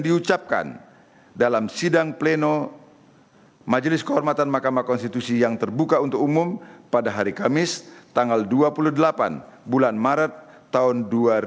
diucapkan dalam sidang pleno majelis kehormatan mahkamah konstitusi yang terbuka untuk umum pada hari kamis tanggal dua puluh delapan bulan maret tahun dua ribu dua puluh